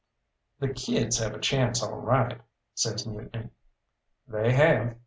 "The kids have a chance all right," says Mutiny. "They have.